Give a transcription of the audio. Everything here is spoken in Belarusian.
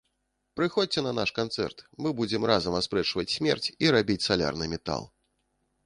Прыходзьце на наш канцэрт, мы будзем разам аспрэчваць смерць і рабіць салярны метал!